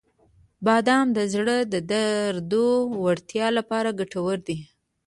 • بادام د زړه د دردو وړتیا لپاره ګټور دي.